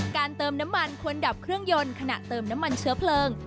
เติมน้ำมันควรดับเครื่องยนต์ขณะเติมน้ำมันเชื้อเพลิง